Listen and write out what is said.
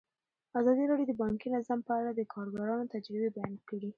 ازادي راډیو د بانکي نظام په اړه د کارګرانو تجربې بیان کړي.